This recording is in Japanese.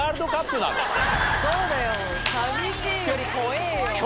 そうだよ寂しいより怖えぇよ。